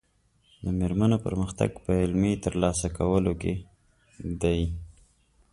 د مېرمنو پرمختګ په علمي ترلاسه کولو کې دی.